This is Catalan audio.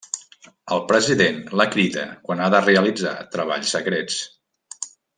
El president la crida quan ha de realitzar treballs secrets.